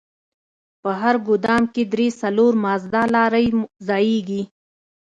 په هر ګودام کښې درې څلور مازدا لارۍ ځايېږي.